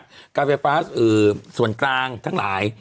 งานไปที่นซกลางทั้งหลาย